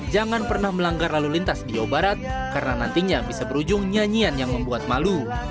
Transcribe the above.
jangan pernah melanggar lalu lintas di jawa barat karena nantinya bisa berujung nyanyian yang membuat malu